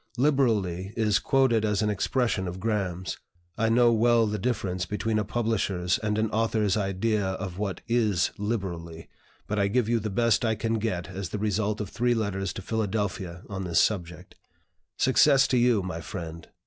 'Liberally' is quoted as an expression of Graham's. I know well the difference between a publisher's and an author's idea of what is 'liberally'; but I give you the best I can get as the result of three letters to Philadelphia on this subject. "Success to you, my friend!